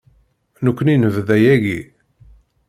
Nekkni nebda yagi.